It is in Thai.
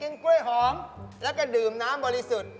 เย็นกล้วยหอมก็ดื่มน้ำบริสุทธิ์